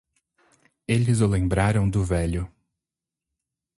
Eles o lembraram do velho.